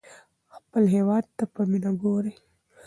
خپل هېواد ته په مینه وګورئ.